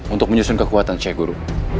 untuk menyusun kekuatan ceguru